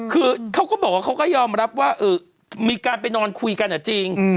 คือเขาก็บอกว่าเขาก็ยอมรับว่ามีการไปนอนคุยกันจริง